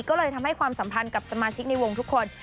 ก็เลยทำให้ความสัมพันธ์กับสมาชิกในวงทุกคน